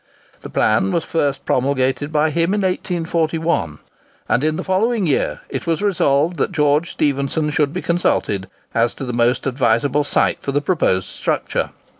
The plan was first promulgated by him in 1841; and in the following year it was resolved that George Stephenson should be consulted as to the most advisable site for the proposed structure.